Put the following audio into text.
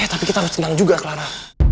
ya tapi kita harus tenang juga rara